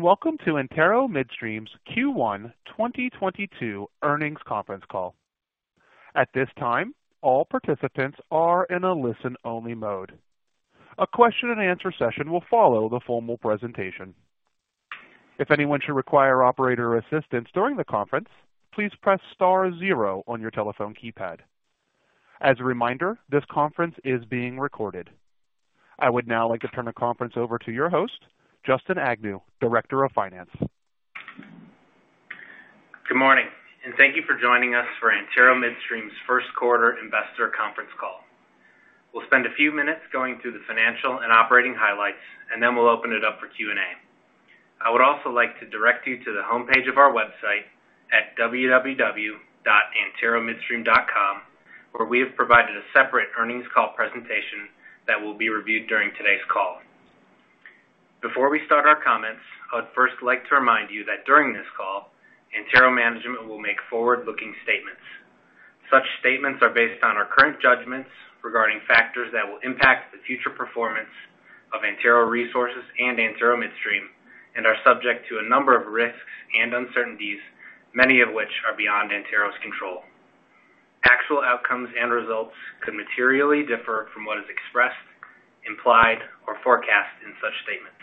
Welcome to Antero Midstream's Q1 2022 earnings conference call. At this time, all participants are in a listen-only mode. A question and answer session will follow the formal presentation. If anyone should require operator assistance during the conference, please press star zero on your telephone keypad. As a reminder, this conference is being recorded. I would now like to turn the conference over to your host, Justin Agnew, Director of Finance. Good morning, and thank you for joining us for Antero Midstream's first quarter investor conference call. We'll spend a few minutes going through the financial and operating highlights, and then we'll open it up for Q&A. I would also like to direct you to the homepage of our website at www.anteromidstream.com, where we have provided a separate earnings call presentation that will be reviewed during today's call. Before we start our comments, I would first like to remind you that during this call, Antero management will make forward-looking statements. Such statements are based on our current judgments regarding factors that will impact the future performance of Antero Resources and Antero Midstream and are subject to a number of risks and uncertainties, many of which are beyond Antero's control. Actual outcomes and results could materially differ from what is expressed, implied, or forecast in such statements.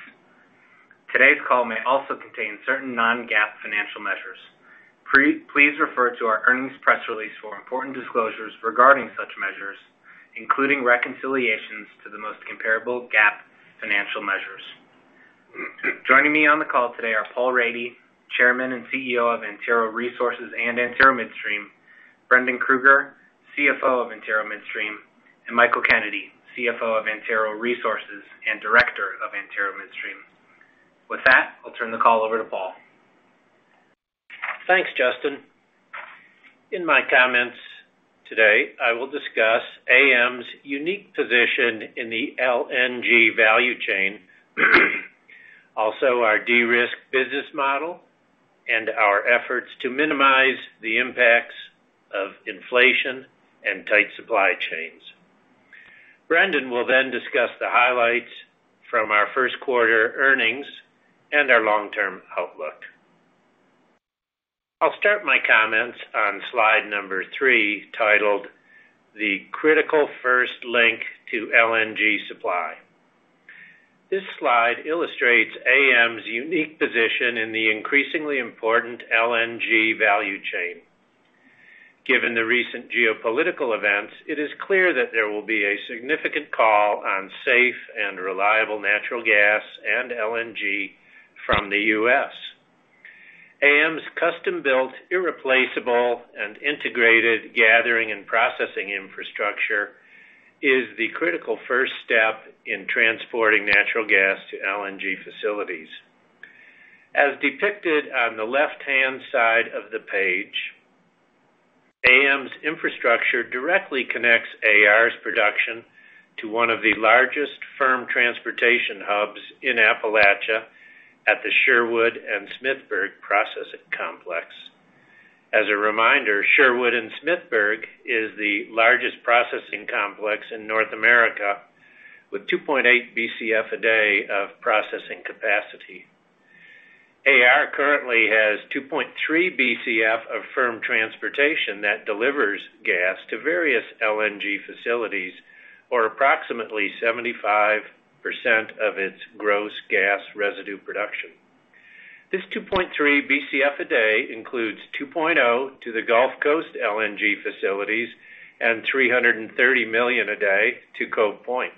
Today's call may also contain certain non-GAAP financial measures. Please refer to our earnings press release for important disclosures regarding such measures, including reconciliations to the most comparable GAAP financial measures. Joining me on the call today are Paul Rady, Chairman and CEO of Antero Resources and Antero Midstream, Brendan Krueger, CFO of Antero Midstream, and Michael Kennedy, CFO of Antero Resources and Director of Antero Midstream. With that, I'll turn the call over to Paul. Thanks, Justin. In my comments today, I will discuss AM's unique position in the LNG value chain, also our de-risk business model and our efforts to minimize the impacts of inflation and tight supply chains. Brendan will then discuss the highlights from our first quarter earnings and our long-term outlook. I'll start my comments on slide 3, titled The Critical First Link to LNG Supply. This slide illustrates AM's unique position in the increasingly important LNG value chain. Given the recent geopolitical events, it is clear that there will be a significant call on safe and reliable natural gas and LNG from the US. AM's custom-built, irreplaceable, and integrated gathering and processing infrastructure is the critical first step in transporting natural gas to LNG facilities. As depicted on the left-hand side of the page, AM's infrastructure directly connects AR's production to one of the largest firm transportation hubs in Appalachia at the Sherwood and Smithburg processing complex. As a reminder, Sherwood and Smithburg is the largest processing complex in North America with 2.8 Bcf a day of processing capacity. AR currently has 2.3 Bcf of firm transportation that delivers gas to various LNG facilities or approximately 75% of its gross gas residue production. This 2.3 Bcf a day includes 2.0 to the Gulf Coast LNG facilities and 330 million a day to Cove Point.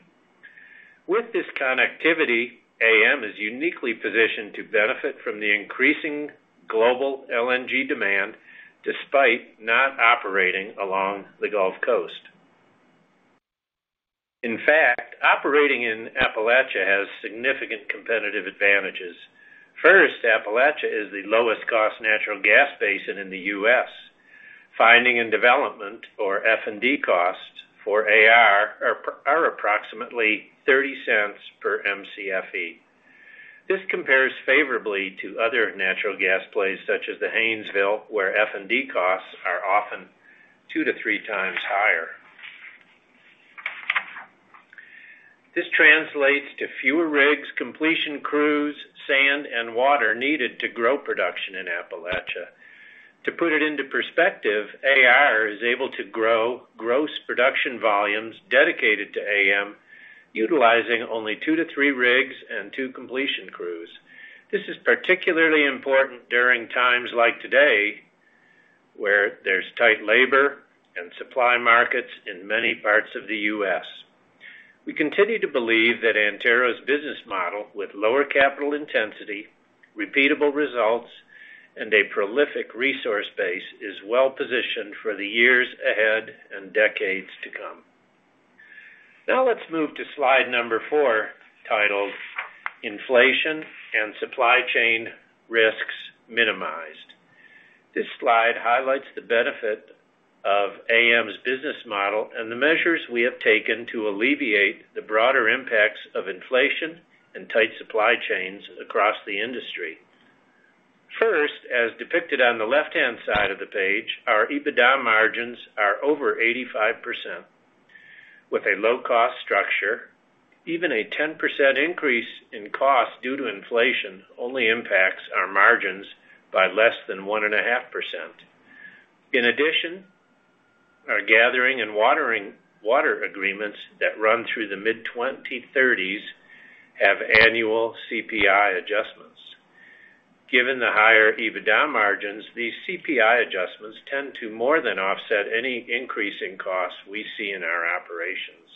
With this connectivity, AM is uniquely positioned to benefit from the increasing global LNG demand despite not operating along the Gulf Coast. In fact, operating in Appalachia has significant competitive advantages. First, Appalachia is the lowest cost natural gas basin in the U.S. Finding and development or F&D costs for AR are approximately 30 cents per Mcfe. This compares favorably to other natural gas plays such as the Haynesville, where F&D costs are often 2-3 times higher. This translates to fewer rigs, completion crews, sand and water needed to grow production in Appalachia. To put it into perspective, AR is able to grow gross production volumes dedicated to AM, utilizing only 2-3 rigs and two completion crews. This is particularly important during times like today, where there's tight labor and supply markets in many parts of the U.S. We continue to believe that Antero's business model with lower capital intensity, repeatable results, and a prolific resource base is well-positioned for the years ahead and decades to come. Now let's move to slide number 4, titled Inflation and Supply Chain Risks Minimized. This slide highlights the benefit of AM's business model and the measures we have taken to alleviate the broader impacts of inflation and tight supply chains across the industry. As depicted on the left-hand side of the page, our EBITDA margins are over 85%. With a low-cost structure, even a 10% increase in cost due to inflation only impacts our margins by less than 1.5%. In addition, our gathering and water agreements that run through the mid-2030s have annual CPI adjustments. Given the higher EBITDA margins, these CPI adjustments tend to more than offset any increase in costs we see in our operations.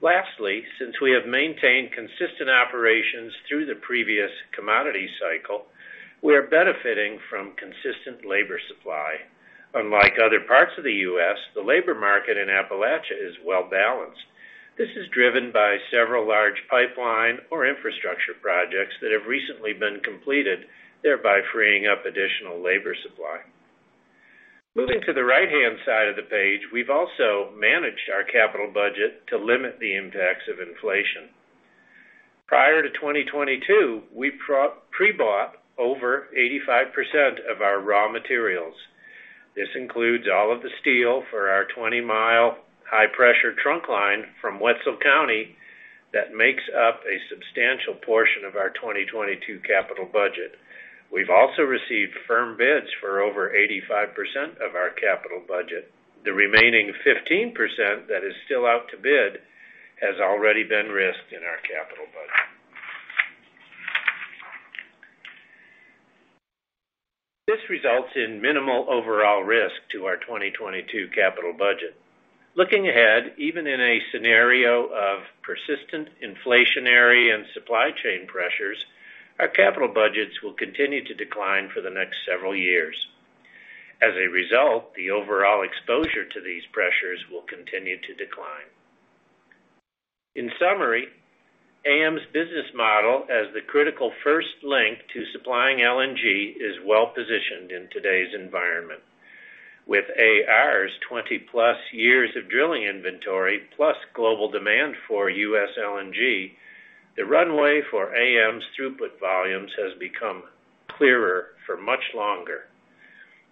Lastly, since we have maintained consistent operations through the previous commodity cycle, we are benefiting from consistent labor supply. Unlike other parts of the U.S., the labor market in Appalachia is well balanced. This is driven by several large pipeline or infrastructure projects that have recently been completed, thereby freeing up additional labor supply. Moving to the right-hand side of the page, we've also managed our capital budget to limit the impacts of inflation. Prior to 2022, we pre-bought over 85% of our raw materials. This includes all of the steel for our 20-mile high-pressure trunk line from Wetzel County that makes up a substantial portion of our 2022 capital budget. We've also received firm bids for over 85% of our capital budget. The remaining 15% that is still out to bid has already been risked in our capital budget. This results in minimal overall risk to our 2022 capital budget. Looking ahead, even in a scenario of persistent inflationary and supply chain pressures, our capital budgets will continue to decline for the next several years. As a result, the overall exposure to these pressures will continue to decline. In summary, AM's business model as the critical first link to supplying LNG is well positioned in today's environment. With AR's 20-plus years of drilling inventory, plus global demand for U.S. LNG, the runway for AM's throughput volumes has become clearer for much longer.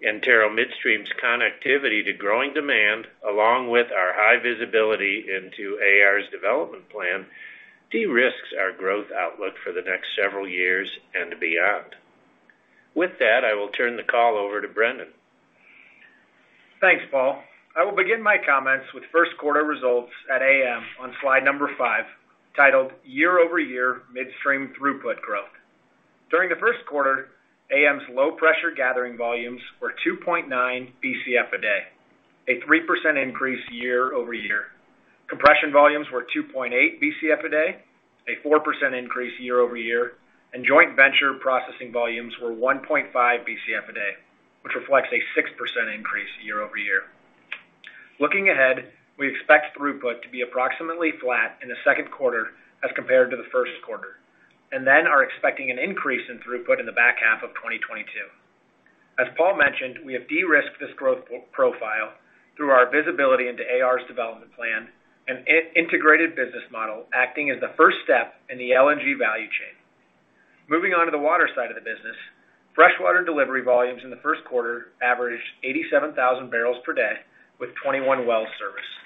Antero Midstream's connectivity to growing demand, along with our high visibility into AR's development plan, de-risks our growth outlook for the next several years and beyond. With that, I will turn the call over to Brendan. Thanks, Paul. I will begin my comments with first quarter results at AM on slide number 5, titled Year-Over-Year Midstream Throughput Growth. During the first quarter, AM's low pressure gathering volumes were 2.9 Bcf a day, a 3% increase year-over-year. Compression volumes were 2.8 Bcf a day, a 4% increase year-over-year, and joint venture processing volumes were 1.5 Bcf a day, which reflects a 6% increase year-over-year. Looking ahead, we expect throughput to be approximately flat in the second quarter as compared to the first quarter, and then are expecting an increase in throughput in the back half of 2022. As Paul mentioned, we have de-risked this growth profile through our visibility into AR's development plan and integrated business model acting as the first step in the LNG value chain. Moving on to the water side of the business, fresh water delivery volumes in the first quarter averaged 87,000 barrels per day with 21 wells serviced.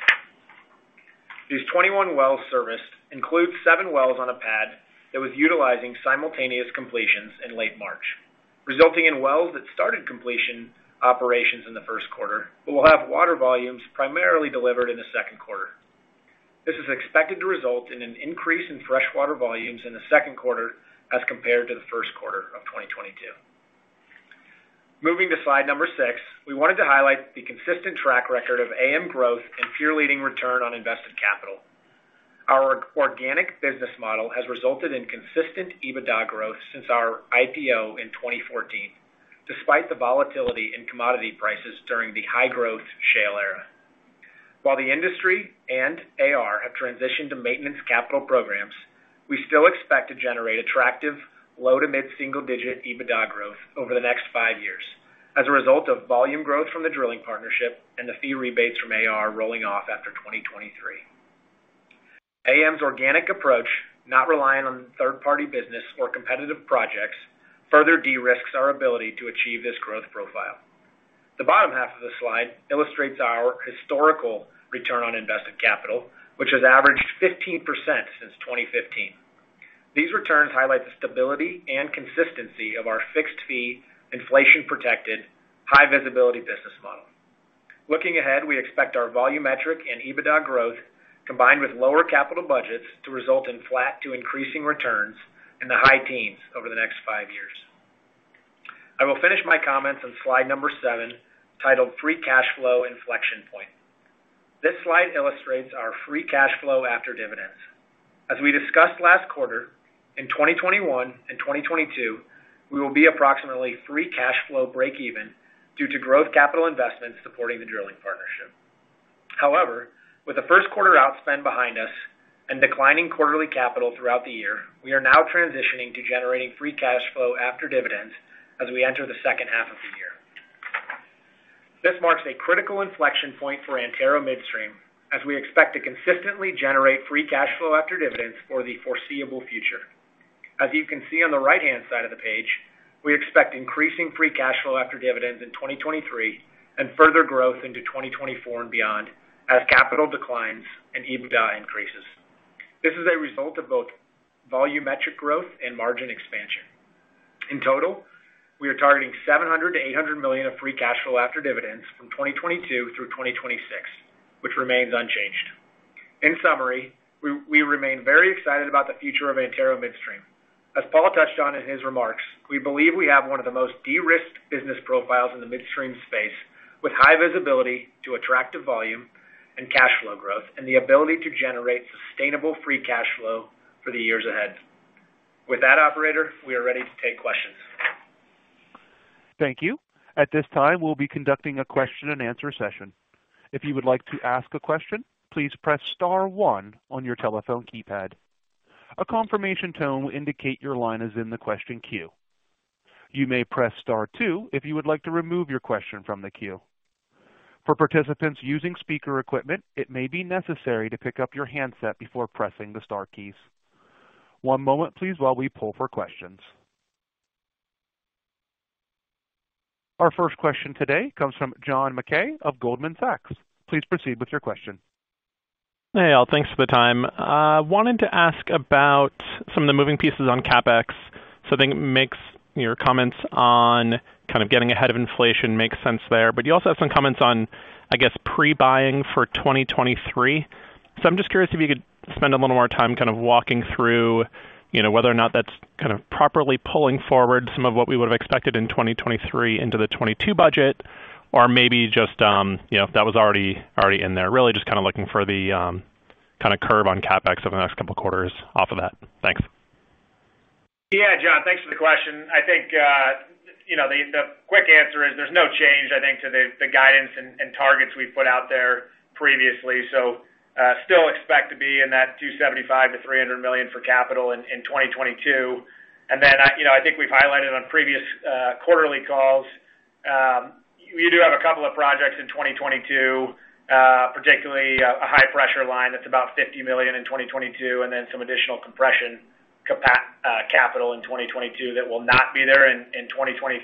These 21 wells serviced includes seven wells on a pad that was utilizing simultaneous completions in late March, resulting in wells that started completion operations in the first quarter, but will have water volumes primarily delivered in the second quarter. This is expected to result in an increase in fresh water volumes in the second quarter as compared to the first quarter of 2022. Moving to slide 6, we wanted to highlight the consistent track record of AM growth and peer-leading return on invested capital. Our organic business model has resulted in consistent EBITDA growth since our IPO in 2014, despite the volatility in commodity prices during the high growth shale era. While the industry and AR have transitioned to maintenance capital programs, we still expect to generate attractive low to mid-single digit EBITDA growth over the next 5 years as a result of volume growth from the drilling partnership and the fee rebates from AR rolling off after 2023. AM's organic approach, not relying on third-party business or competitive projects, further de-risks our ability to achieve this growth profile. The bottom half of the slide illustrates our historical return on invested capital, which has averaged 15% since 2015. These returns highlight the stability and consistency of our fixed fee, inflation-protected, high visibility business model. Looking ahead, we expect our volumetric and EBITDA growth, combined with lower capital budgets, to result in flat to increasing returns in the high teens over the next 5 years. I will finish my comments on slide number 7, titled Free Cash Flow Inflection Point. This slide illustrates our free cash flow after dividends. As we discussed last quarter, in 2021 and 2022, we will be approximately free cash flow breakeven due to growth capital investments supporting the drilling partnership. However, with the first quarter outspend behind us and declining quarterly capital throughout the year, we are now transitioning to generating free cash flow after dividends as we enter the second half of the year. This marks a critical inflection point for Antero Midstream, as we expect to consistently generate free cash flow after dividends for the foreseeable future. As you can see on the right-hand side of the page, we expect increasing free cash flow after dividends in 2023 and further growth into 2024 and beyond as capital declines and EBITDA increases. This is a result of both volumetric growth and margin expansion. In total, we are targeting $700 million-$800 million of free cash flow after dividends from 2022 through 2026, which remains unchanged. In summary, we remain very excited about the future of Antero Midstream. As Paul touched on in his remarks, we believe we have one of the most de-risked business profiles in the midstream space, with high visibility to attractive volume and cash flow growth and the ability to generate sustainable free cash flow for the years ahead. With that, operator, we are ready to take questions. Thank you. At this time, we'll be conducting a question and answer session. If you would like to ask a question, please press star one on your telephone keypad. A confirmation tone will indicate your line is in the question queue. You may press star two if you would like to remove your question from the queue. For participants using speaker equipment, it may be necessary to pick up your handset before pressing the star keys. One moment please while we pull for questions. Our first question today comes from John Mackay of Goldman Sachs. Please proceed with your question. Hey, y'all. Thanks for the time. Wanted to ask about some of the moving pieces on CapEx. I think it makes your comments on kind of getting ahead of inflation makes sense there. You also have some comments on, I guess, pre-buying for 2023. I'm just curious if you could spend a little more time kind of walking through, you know, whether or not that's kind of properly pulling forward some of what we would have expected in 2023 into the 2022 budget or maybe just, you know, if that was already in there. Really just kinda looking for the kinda curve on CapEx over the next couple of quarters off of that. Thanks. Yeah, John, thanks for the question. I think, you know, the quick answer is there's no change, I think, to the guidance and targets we put out there previously. Still expect to be in that $275 million-$300 million for capital in 2022. You know, I think we've highlighted on previous quarterly calls, we do have a couple of projects in 2022, particularly a high-pressure line that's about $50 million in 2022, and then some additional compression capital in 2022 that will not be there in 2023.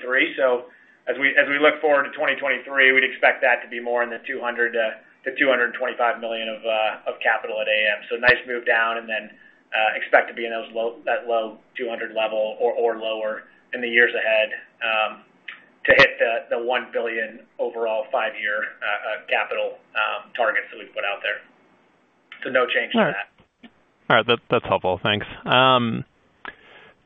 As we look forward to 2023, we'd expect that to be more in the $200 million-$225 million of capital at AM. Nice move down, and then expect to be in that low 200 level or lower in the years ahead, to hit the $1 billion overall five-year capital targets that we put out there. No change to that. All right, that's helpful. Thanks.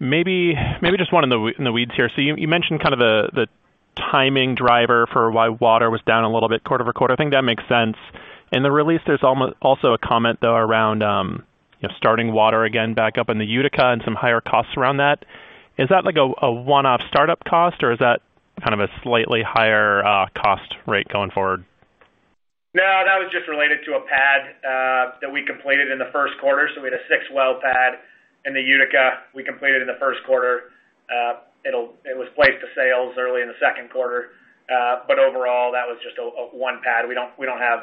Maybe just one in the weeds here. You mentioned kind of the timing driver for why water was down a little bit quarter-over-quarter. I think that makes sense. In the release, there's also a comment, though, around, you know, starting water again back up in the Utica and some higher costs around that. Is that like a one-off start-up cost, or is that kind of a slightly higher cost rate going forward? No, that was just related to a pad that we completed in the first quarter. We had a six-well pad in the Utica we completed in the first quarter. It was placed to sales early in the second quarter. Overall, that was just a one pad. We don't have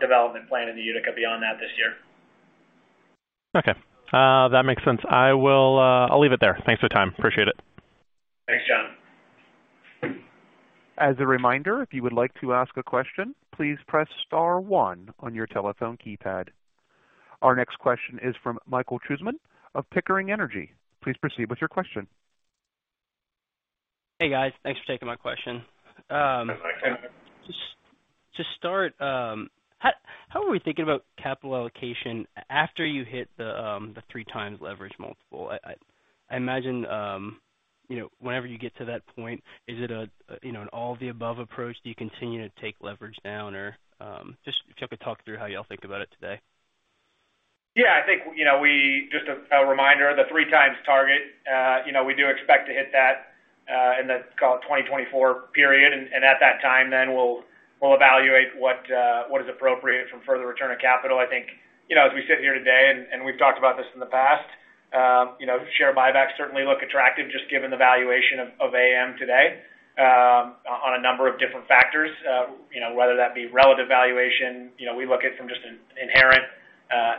development planned in the Utica beyond that this year. Okay. That makes sense. I will, I'll leave it there. Thanks for the time. Appreciate it. Thanks, John. As a reminder, if you would like to ask a question, please press star one on your telephone keypad. Our next question is from Michael Cusimano of Pickering Energy Partners. Please proceed with your question. Hey, guys. Thanks for taking my question. Yes, Michael. To start, how are we thinking about capital allocation after you hit the 3x leverage multiple? I imagine, you know, whenever you get to that point, is it a, you know, an all-of-the-above approach? Do you continue to take leverage down? Or, just if you could talk through how y'all think about it today. Yeah, I think, you know, just a reminder, the 3x target, you know, we do expect to hit that, in the, call it, 2024 period. At that time, we'll evaluate what is appropriate from further return of capital. I think, you know, as we sit here today, and we've talked about this in the past, you know, share buybacks certainly look attractive just given the valuation of AM today, on a number of different factors. You know, whether that be relative valuation, you know, we look at from just an inherent,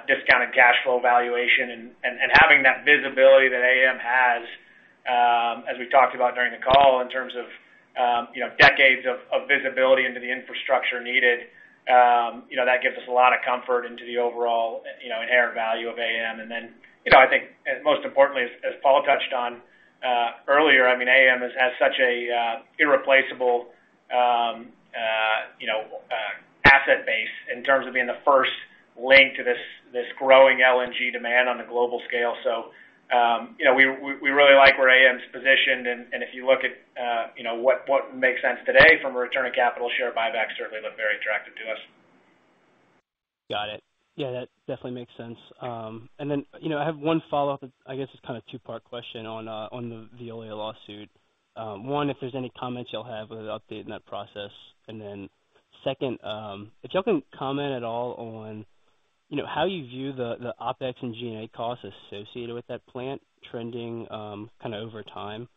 discounted cash flow valuation. Having that visibility that AM has, as we talked about during the call in terms of you know, decades of visibility into the infrastructure needed you know, that gives us a lot of comfort in the overall you know, inherent value of AM. I think most importantly, as Paul touched on earlier, I mean, AM has had such a irreplaceable you know, asset base in terms of being the first link to this growing LNG demand on a global scale. You know, we really like where AM's positioned. If you look at you know, what makes sense today from a return of capital share buyback certainly look very attractive to us. Got it. Yeah, that definitely makes sense. You know, I have one follow-up. I guess it's kind of two-part question on the Veolia lawsuit. One, if there's any comments y'all have with an update in that process. Second, if y'all can comment at all on, you know, how you view the OpEx and G&A costs associated with that plant trending, kinda over time.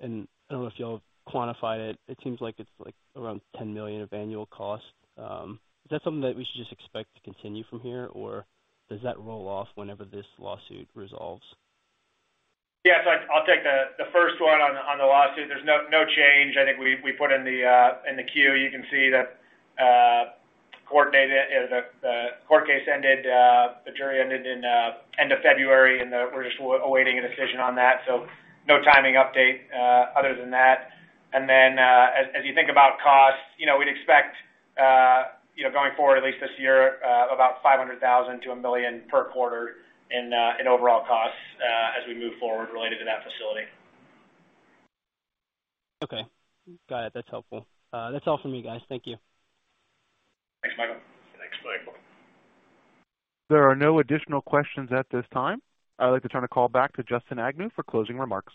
I don't know if y'all quantified it. It seems like it's, like, around $10 million of annual costs. Is that something that we should just expect to continue from here, or does that roll off whenever this lawsuit resolves? Yeah. I'll take the first one on the lawsuit. There's no change. I think we put in the queue. You can see that the court case ended, the jury ended end of February, and we're just awaiting a decision on that. No timing update other than that. As you think about costs, you know, you'd expect, you know, going forward at least this year, about $500,000-$1 million per quarter in overall costs as we move forward related to that facility. Okay. Got it. That's helpful. That's all for me, guys. Thank you. Thanks, Michael. Thanks, Michael. There are no additional questions at this time. I'd like to turn the call back to Justin Agnew for closing remarks.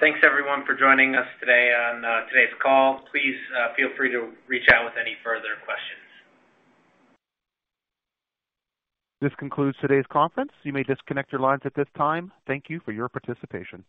Thanks, everyone, for joining us today on today's call. Please feel free to reach out with any further questions. This concludes today's conference. You may disconnect your lines at this time. Thank you for your participation.